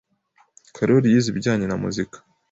Karoli yize ibijyanye na muzika.